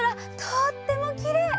とってもきれい！